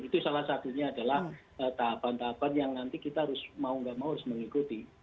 itu salah satunya adalah tahapan tahapan yang nanti kita harus mau nggak mau harus mengikuti